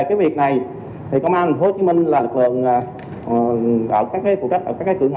về việc này công an tp hcm là lực lượng